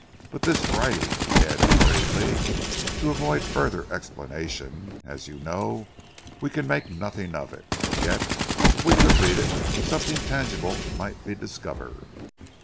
But this writing," he added hurriedly to avoid further explanation, "as you know, we can make nothing of it. Yet if we could read it, something tangible might be discovered."